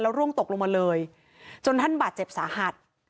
ร่วงตกลงมาเลยจนท่านบาดเจ็บสาหัส